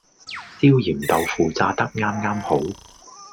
焦鹽豆腐炸得啱啱好